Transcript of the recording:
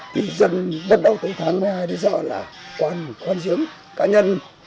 thì dân bắt đầu từ tháng một mươi hai đến giờ là khoan diễn cá nhân